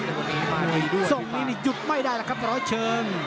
ส่งนี้หรือยุดไม่ได้เลยครับโแล่คอมะร้อยเชิง